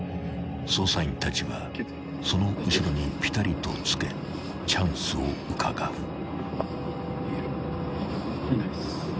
［捜査員たちはその後ろにぴたりとつけチャンスをうかがう］